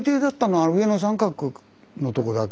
あの上の三角のとこだけ？